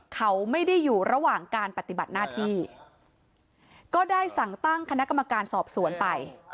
เขาไม่ได้อยู่ระหว่างการปฏิบัติหน้าที่ก็ได้สั่งตั้งคณะกรรมการสอบสวนไป